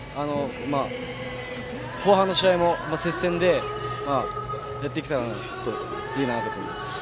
後半の試合も接戦でやっていきたいと思います。